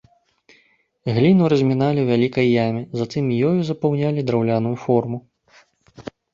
Гліну разміналі ў вялікай яме, затым ёю запаўнялі драўляную форму.